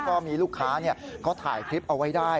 ก็มีลูกค้าเขาถ่ายคลิปเอาไว้ได้